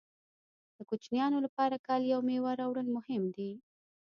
د کوچنیانو لپاره کالي او مېوه راوړل مهم دي